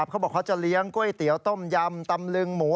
เขาบอกเขาจะเลี้ยงก๋วยเตี๋ยวต้มยำตำลึงหมู